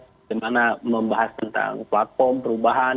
bagaimana membahas tentang platform perubahan